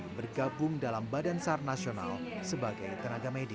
dan bergabung dalam badan sar nasional sebagai tenaga medis